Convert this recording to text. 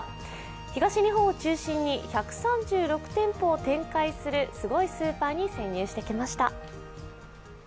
東日本を中心に１３６店舗を展開するすごいスーパーに潜入してきました。